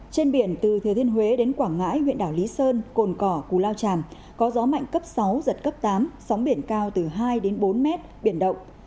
trên biển từ thừa thiên huế đến quảng ngãi huyện đảo lý sơn cồn cỏ lao tràm có gió mạnh cấp sáu giật cấp tám sóng biển cao từ hai đến bốn mét biển động